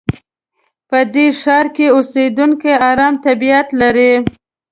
په دې ښار کې اوسېدونکي ارام طبیعت لري.